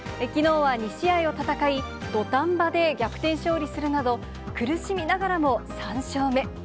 きのうは２試合を戦い、土壇場で逆転勝利するなど、苦しみながらも３勝目。